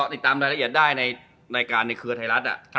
ติดตามรายละเอียดได้ในรายการในเครือไทยรัฐ